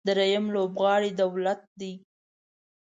درېیم لوبغاړی دولت دی.